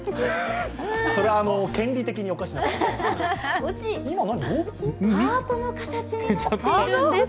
それ、権利的におかしいです。